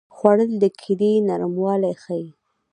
خوړل د کیلې نرموالی ښيي